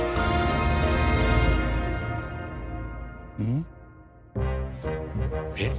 ん？えっ？